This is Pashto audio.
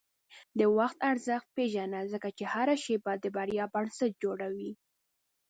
د وخت ارزښت پېژنه، ځکه چې هره شېبه د بریا بنسټ جوړوي.